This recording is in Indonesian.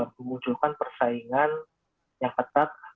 memunculkan persaingan yang ketat